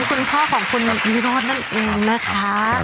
คุณพ่อของคุณวิโรธนั่นเองนะคะ